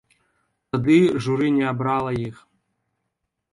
Тады журы не абрала іх.